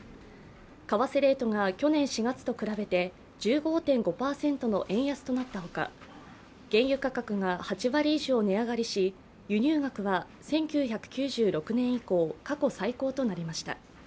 為替レートが去年４月と比べて１５．５％の円安となったほか原油価格が８割以上値上がりし輸入額は１９９６年以降過去最高となりました。